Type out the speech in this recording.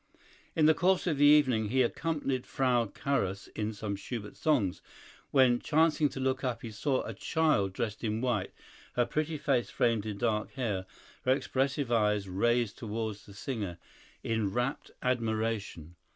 In the course of the evening he accompanied Frau Carus in some Schubert songs, when, chancing to look up, he saw a child dressed in white, her pretty face framed in dark hair, her expressive eyes raised toward the singer in rapt admiration.